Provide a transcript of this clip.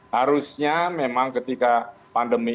harusnya memang ketika pandemi